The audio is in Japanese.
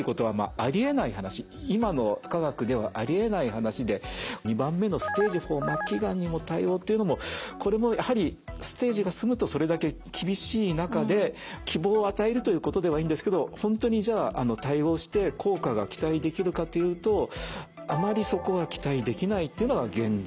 今の科学ではありえない話で２番目の「ステージ４・末期がんにも対応」っていうのもこれもやはりステージが進むとそれだけ厳しい中で希望を与えるということではいいんですけど本当にじゃあ対応して効果が期待できるかというとあまりそこは期待できないというのが現実ですね。